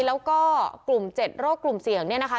แล้วก็กลุ่ม๗โรคกลุ่มเสี่ยงเนี่ยนะคะ